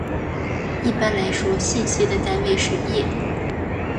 一般来说信息的单位是页。